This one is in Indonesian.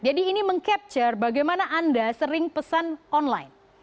jadi ini mengcapture bagaimana anda sering pesan online